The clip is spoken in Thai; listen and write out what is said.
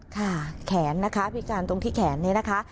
แขนนะคะพิการตรงที่แขนเนี่ยนะคะ